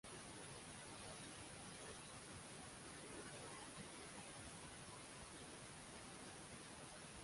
এই মডেলের কাছেই রাখা আছে কুমারী জোসেফিন ম্যাকলাউড-সংক্রান্ত একটি প্রদর্শনী।